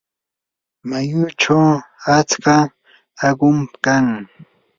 mayuchaw atska aqum kan.